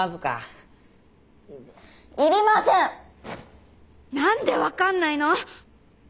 心の声何で分かんないの！